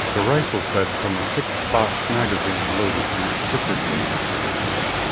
The rifle fed from a fixed box magazine, loaded through stripper clips.